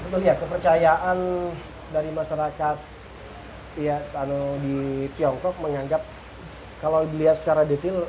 betul ya kepercayaan dari masyarakat di tiongkok menganggap kalau dilihat secara detail